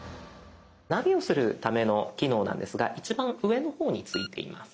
ナビをするための機能なんですが一番上の方についています。